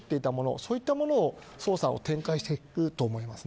そういった捜査を展開していくと思います。